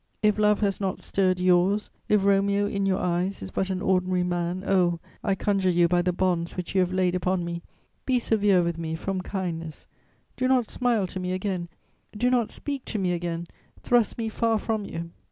If love has not stirred yours; if Romeo in your eyes is but an ordinary man, oh, I conjure you by the bonds which you have laid upon me, be severe with me from kindness; do not smile to me again, do not speak to me again, thrust me far from you.